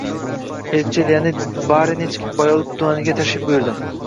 Elchi Leonid Marinich Boyovut tumaniga tashrif buyurding